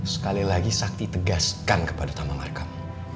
sekali lagi sakti tegaskan kepada taman markam